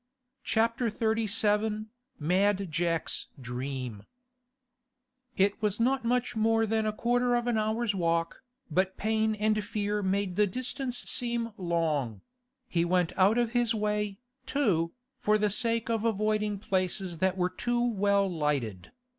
CHAPTER XXXVII MAD JACK'S DREAM It was not much more than a quarter of an hour's walk, but pain and fear made the distance seem long; he went out of his way, too, for the sake of avoiding places that were too well lighted.